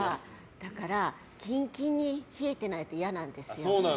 だから、キンキンに冷えてないと嫌なんですよ。